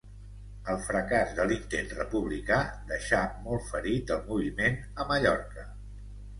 El fracàs de l'intent republicà deixà molt ferit el moviment a Mallorca.